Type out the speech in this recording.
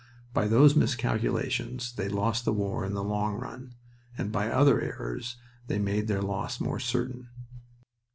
By those miscalculations they lost the war in the long run, and by other errors they made their loss more certain.